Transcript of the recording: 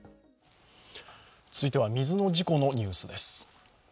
続いては水の事故のニュースです。